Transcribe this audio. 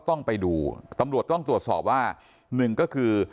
ต้องไปดูตำรวจต้องตรวจสอบว่าหนึ่งก็คือ